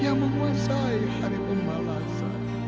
yang memuasai hari pembalasan